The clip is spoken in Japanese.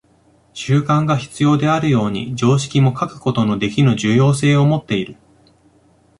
習慣が必要であるように、常識も欠くことのできぬ重要性をもっている。